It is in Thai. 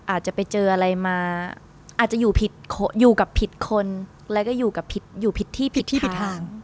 อาจจะไปเจออะไรมาอาจจะอยู่ผิดอยู่กับผิดคนแล้วก็อยู่กับผิดอยู่ผิดที่ผิดที่ผิดทาง